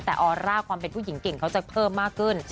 แต่ออร่าความเป็นผู้หญิงเก่งเขาจะเพิ่มมากขึ้น